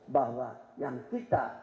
bahwa yang kita